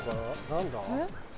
何だ？